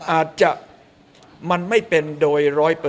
อาจจะมันไม่เป็นโดย๑๐๐